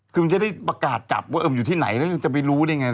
คือมันจะได้ประกาศจับว่ามันอยู่ที่ไหนแล้วยังจะไปรู้ได้ไง